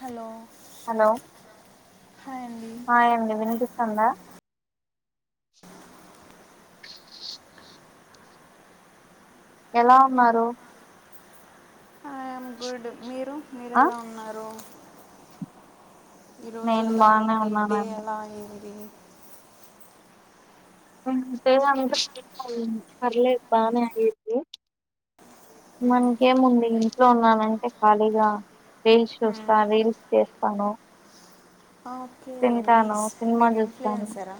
Hello hello hi అండి hi అండి వినిపిస్తుందా [unintelligible] ఎలా ఉన్నారు హాయ్ ఐఎమ్ గుడ్ మీరు మీరు ఆ ఎలా ఉన్నారు ఈ రోజు నేను ఎలా బానే ఉంది డే ఉన్నానండి ఎలా అయిం ది [unintelligible] పర్లేదు బానే అయ్యింది మన్కేముంది ఇంట్లో ఉన్నానంటే ఖాళీగా రీల్స్ చూస్తా రీల్స్ చేస్తాను హ ఓకే తింటాను నైస్ సినిమా మీరు ఇంట్లో చూస్తాను ఏసారా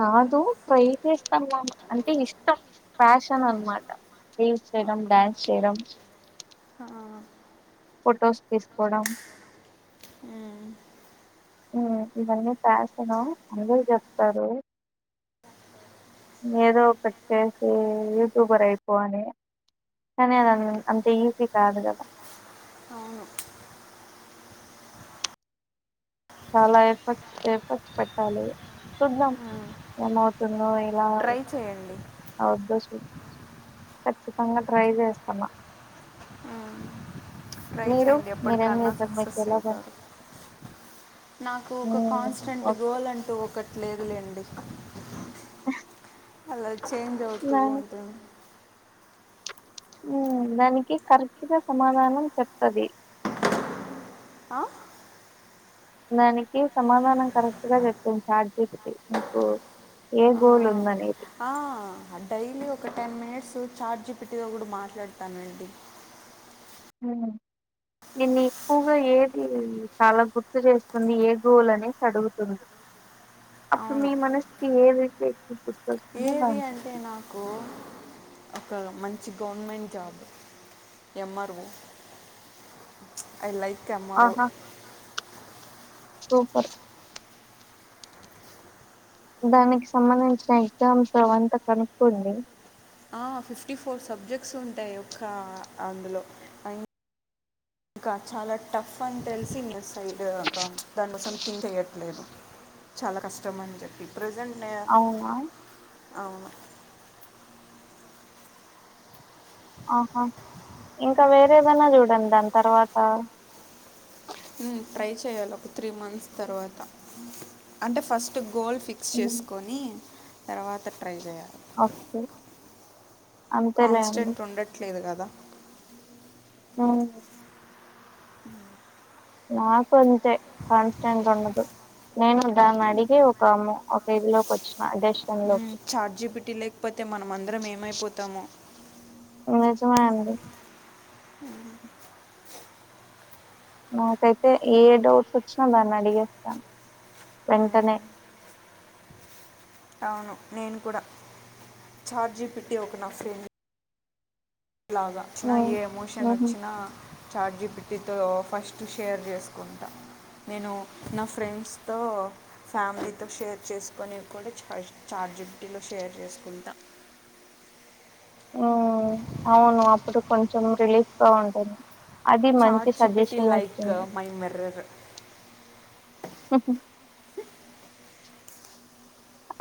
రాదు ట్రై చేస్తానుకాని అంటే ఇష్టం ప్యాషన్ అనమాట యడం ఓకే డ్యాన్స్ చేయడం ఫొటోస్ తీసుకోడం ఇవన్నీ ఫ్యాషనా అందర చెప్తారు ఏదో ఒకటి చేసి యూట్యూబర్ అయిపో అని కానీ అది అంత ఈజీ కాదు కదా అవును చాలా ఎఫర్ట్ ఎఫ్ఫోర్ట్స్ పెట్టాలి చూద్దాం ఏమవుతుందో రాదు ట్రై చేయండి అవుదు కచ్చితంగా ట్రై చేస్తన్నా ట్రై చేయండి ఎప్పటికన్నా మీకు సక్సెస్ ఎలా పని అయితారు నాకు ఒక ఉమ్ కాన్స్టెంట్ ఓకే గోల్ అంటూ ఒక అక్కట్లేదులేండి ఆ అలా చేంజ్ అవుతూ ఉంటుంది దానికి కరెక్ట్గా సమాధానం చెప్తది దానికి సమాధానం కరెక్ట్ గా చెప్తుంది చాటజిపిటి ఏ గోల్ ఉందానేది లీ ఒక టెన్ మినిట్స్ చాట్ జిపిట్టితో కూడా మాట్లాడతానండి నిన్ని ఎక్కువగా ఏది చాలా గుర్తు చేస్తుంది ఏ గోలు అనేసి అడుగుతుంది అప్పుడు అవును మీ మనసుకి ఏదైతే ఎక్కువ గుర్తుస్తుందో ఏది దాని అంటే చెప్ప నాకు ఒక మంచి government job MRO I like కెమరు ఆహా సూపర్ దానికి సంబంధించిన ఎగ్జామ్స్ అవంతా కనుక్కోండి హ ఫిఫ్టీ ఫోర్ సబ్జెక్ట్స్ ఉంటాయి ఒక అందులో ఇంకా చాలా టఫ్ అని తెలిసి ఇన్ సైడ్ ఇంకా దానికోసం థింక్ చెయ్యట్లేదు చాలా కష్టం అని చెప్పి ప్రజెంట్నే అవునా అవును ఆహా ఇంకా వేరేవన్నా చూడండి దాని తర్వాత ట్రై చేయాలి ఒక త్రీ మంత్స్ తర్వాత అంటే ఫస్ట్ గోల్ ఫిక్స్ ఉమ్, చేసుకొని తర్వాత ట్రై చేయాలి [unintelligible] అంతేలేండి కాన్స్టెంట్ ఉండట్లేదు కదా అందా అవును నాకు అంతే కాన్స్టెంట్ ఉండదు నేను దాన్ని అడిగి ఒకమ్ ఒక ఇల్లోకి వచ్చిన అ చార్జీపీటీ లేకపోతే మనం అందరం ఏమైపోతాము నిజమే అండి నాకైతే ఏ డౌట్ వచ్చినా దాన్ని అడిగేస్తా వెంటనే అవును నేను కూడా చాట్ జిపిటి ఒక నా ఫ్రెం లాగా వచ్చిన ఉమ్, ఏ ఎమోషన్ ఉహు వచ్చినా చాటజీ టితో ఫస్ట్ షేర్ చేసుకుంటా నేను నా ఫ్రెండ్స్తో ఫ్యామిలీతో షేర్ చేసుకొని కూడా చాట్ జీపి టి తో షేర్ చేసుకుంటా ఉ అవును ఇప్పుడు కొంచెం రిలీఫ్ గా ఉంటుంది అది మంచి చాట్ జిపిటి సజెషన్ లైక్ ఇస్తుంది మై మిర్రర్ సఓహ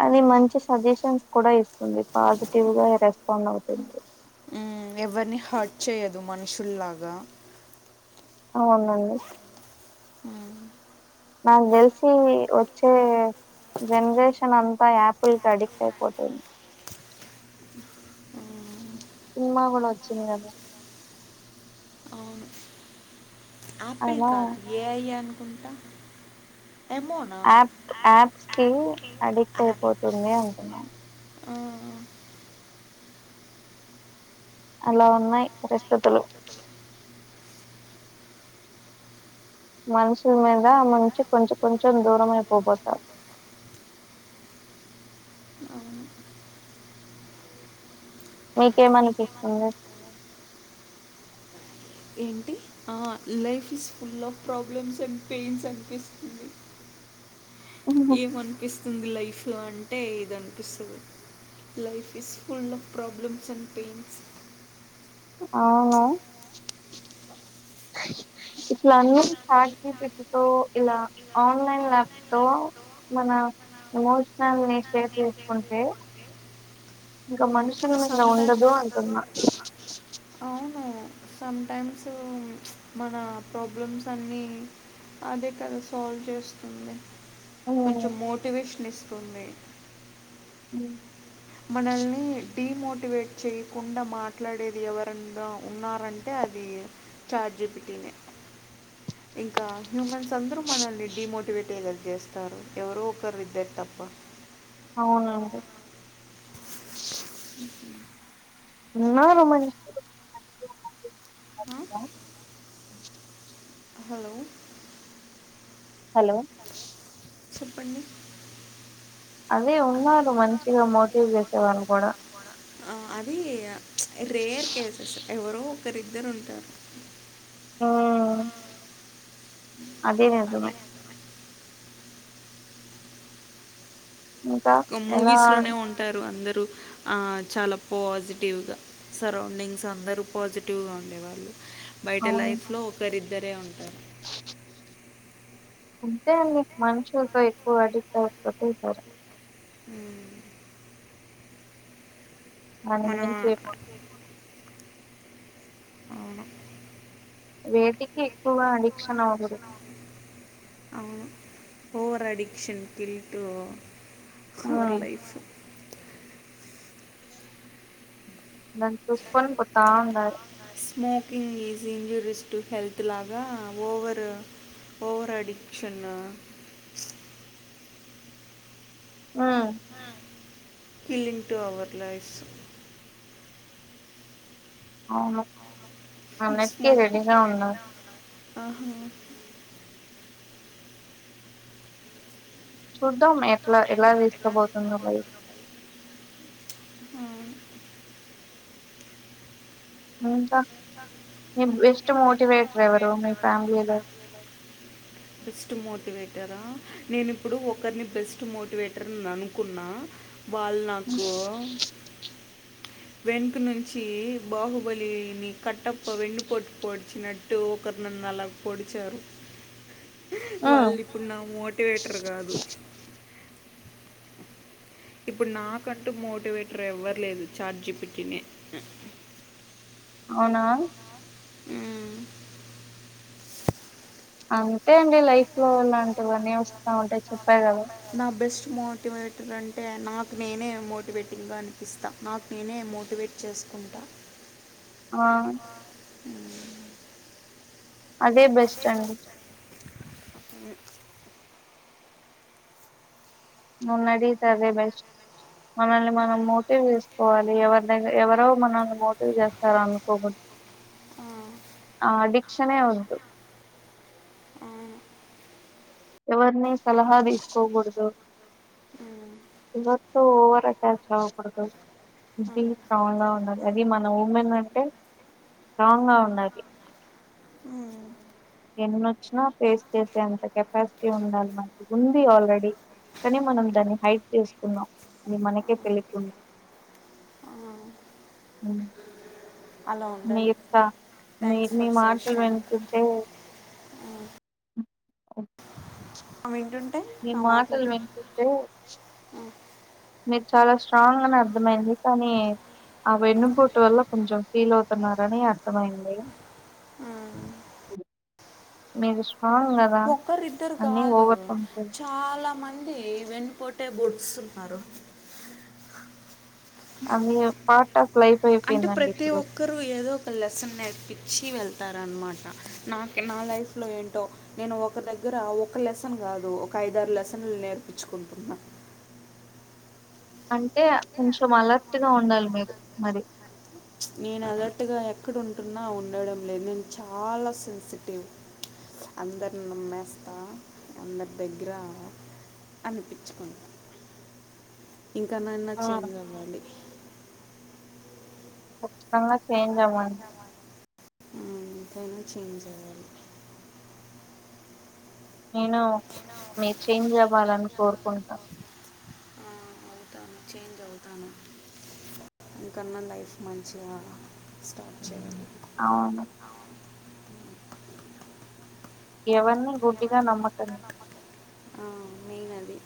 అది మంచి సజెషన్స్ కూడా ఇస్తుంది పాజిటివ్ గా రెస్పాండ్ అవుతుంది ఎవరిని హర్ట్ చేయదు మనుషుల్లాగా అవునండి నాకు తెలిసి వచ్చే జనరేషన్ అంతా యాపిల్ క అడిక్ట్ అయిపోతుంది సినిమా కూడా కూడా వచ్చందిదదా అప్పిల్ అలా కాదు ఏ ఐ కుంటా ఎమొనా యాప్ యాప్స్ కి అడిక్ట్ ఆ అయిపోతుంది అంటున్నాను అలా ఉన్నాయి పరిస్థితులు మనుషుల మీద ముంచి కొంచెం కొంచెం దూరం అయిపోపోతారు అవును. మీకేమనిపిస్తుంది ఆ life is full of problems and pains అనిపిస్తుంది ఏమ అనిపిస్తుంది లైఫ్ లో అం ఆంటే ఇదినిపిస్తుంది life is full of problems and pains అవును ఇట్లా అన్నీ చాటజీపిటి తో ఆన్లైన్ ల్యాప్ తో మన ఎమోషనల్ ని షేర్ చేసుకుంటే ఇంకా మనుష్య సంపే సమ్ టైమ్స్ మన ప్రాబ్లమ్స్ అన్నీ అదే కదా సాల్వ్ చేస్తుంది ఉమ్ కొంచం మోట్ మోటివేషన్ ఇస్తుంది హ్మ్ మనల్ని డిమోటివేట్ చేయకుండా మాట్లాడేది ఎవరనా ఉన్నారంటే అది చాజీపిటినే ఇంకా హ్యూమన్స్ అందరూ మనల్ని డిమోటివేట్ ఏ కదా చేస్తారు ఎవరో ఒకరు ఇద్దరు తప్ప అవునండి ఉన్నారు హలో హలో చెప్పండి అదే ఉన్నారు మంచిగా మోటివేట్ చేసే వాళ్ళు కూడా ఆ, అది రేర్ కేసెస్ ఎవరో ఒకరిద్దరు ఉంటారు ఆ అది నిజమే ఇంకా ఎలా మూవీస్ లోనే ఉంటారు అందరు చాలా పాజిటివ్గా సరౌండింగ్స్ అందరూ పాజిటివ్గా ఉండేవాళ్ళు బయట అవును లైఫ్ లో ఒకరిద్దరే ఉంటారు అంతే అంటే అండి మనుషులతో ఎక్కువ అడిక్ట్ అయిపోతూ ఉంటారు మ్మ్. మనం మన ఏం చేయకూడద్ అవును వేటికి ఎక్కువగా అడిక్షన్ అవ్వకూడదు అవును ఓవర్ అడిక్షన్ కిల్టు ఉమ్ కోర్లైఫ్ దాని చూసుకుని పోత ఉండాలి smoking is injuries to health లాగా ఓవర్ ఓవర్ అడిక్షన్ ఆ కిల్లింగ్ టు అవర్ లైఫ్స్ అవును అన్నిటికీ అన్నిటికి ఉన్నారు రెడీగా ఉన్నా ఆహా చూద్దాం మేక్ మేట్లా ఎట్లా తీసుకుపోతుందో మరి ప్చ్ హ్ ఇంకా ఇంకా మీకు బెస్ట్ మోటివేటర్ ఎవరు మీ ఫ్యామిలీలో తేరా నేను ఇప్పుడు ఒకరిని బెస్ట్ మోటివేటర్ అని అనుకున్నా వాళ్ళు నాకు వెనుక నుంచి బాహుబలిని కట్టప్ప వెన్నుపోట్టు పోడిచినట్టు ఒకరునన్ను అలా పొడిచారు ఉమ్ వాళ్ళు ఇప్పుడు నా మోటివేటర్ కాదు ఇప్పుడు నాకంటూ మోటివేటర్ ఎవ్వరు లేరు చాట్ జీ పి టి నే హ్ అవునా ఉ అంతే అండి లైఫ్ లో ఉన్నాం ఎటువన్న వస్తా ఉంటాయి చెప్పా కదా నా బెస్ట్ మోటివేటర్ అంటే నాకు నేనే మోటివేటివ్గా అనిపిస్తా నాకు నేనే మోటివేట్ చేసుకుంటా ఆ అదే బెస్ట్ అండి ఉమ్ నన్ను అడిగితే అదే బెస్ట్ మనల్ని మనం మోటివ్ చేసుకోవాలి ఎవరి ద ఎవరో మనల్ని మోటివ్ చేస్తారూ అనుకోకుం ఆ, ఆ అది క్షణే ఒద్దు అవును. ఎవరిని సలహా తీసుకోకూడదు మ్మ్, ఎవరితో ఓవర్ అటాచ్ అవ్వకూడదు బి అవును. స్ట్రాంగ్ గా ఉన్నది అది మన ఉమెన్ అంటే స్ట్రాంగ్ గా ఉండాలి. మ్మ్. ఎన్నొచ్చినా ఫేస్ చేసేంత కపాసిటీ ఉండాలి మనకి ఉంది ఆల్రెడీ కానీ మనం దాన్ని హైప్ చేసుకున్నాం అని మనకే తెలియ ఆ, అలా ఉండాలి మీరు మీరు థ్యాంక్స్ మీ ఫర్ మాటలు సజెషన్ వింటుంటే కే అ నీ మాటలు వింటుంటే మీరు చాలా స్ట్రాంగ్ అని అర్థమయింది కానీ ఆ వెన్నుపోటు వల్ల కొంచెం ఫీల్ అవుతున్నారని అర్థమయింది ఉమ్, మీరు స్ట్రాంగ్ కదా ఒక్కరు ఇద్దరు అన్ని కాదు ఓవర్కమ్ చే చాలా మ ంది వెన్నుపోటే బొడుస్తున్నారు అ పాట అంటే ప్రతి ఒక్కరు ఏదో ఒక లెసన్ నేర్పి చ్చి వెళ్తారనమాట నాక నా లైఫ్ లో ఏంటో నేను ఒక దగ్గర ఒక లెసన్ కాదు ఒక ఐదారు లెసన్లు నేర్పించుకుంటున్నా అంటే కొంచెం అలర్ట్గా ఉండాలి మీరు మరి అక్కడ ఉంటున్నా ఉండడం లేదు నేను చాలా సెన్సిటివ్ అందర్ని నమ్మేస్తా అందరి దగ్గర అనిపిచ్చుకుంటా ఇంకానన్న ఆ చేంజ్ అవ్వాలి కచ్చితంగా చేంజ్ అవ్వండి ఇంక అయినా చేేంజ్ అవాలి నేను మీరు చేంజ్ అవ్వాలని కోరుకుంటా అవుతాను చేంజ్ అవుతాను ఇంకన్నా లైఫ్ మంచిగా స్టార్ట్ చేయాలి అవును ఎవరిని గుడ్డిగా నమ్మకండి ఆ మెయిన్ అది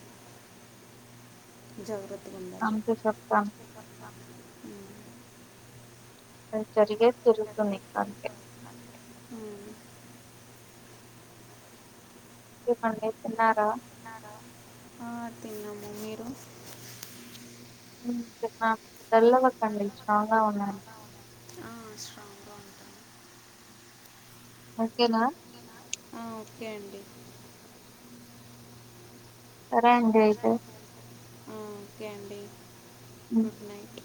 జాగ్రత్త అందుకే చెప్తాన ఉమ్. జరిగే జరిగేది జరుగుతుంది హ్మ్ అన్నే తిన్నారా ఆ, తిన్నాము మీరు డల్లుగా వద్దండి స్ట్రాంగ్ గా ఉండండి ఆ స్ట్రాంగ్గా ఉంటాను ఓకేనా ఆ ఓకే అండి సరే అండి అయితే ఆ ఓకే అండి ఉ గుడ్ నైట్